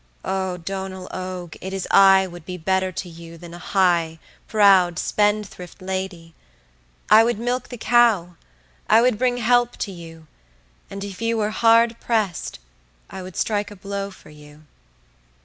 O Donall og, it is I would be better to you than a high, proud, spendthrift lady: I would milk the cow; I would bring help to you; and if you were hard pressed, I would strike a blow for you.